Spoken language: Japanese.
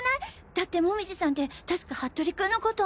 だって紅葉さんて確か服部君のこと。